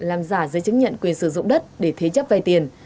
làm giả giấy chứng nhận quyền sử dụng đất để thế chấp vay tiền